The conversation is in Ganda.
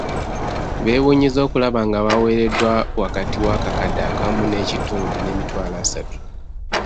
Beewunyizza okulaba nga baaweereddwa wakati w'akakadde akamu n'ekitundu n'emitwalo asatu.